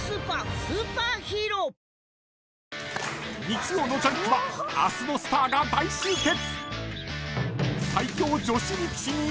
［日曜の『ジャンク』は明日のスターが大集結］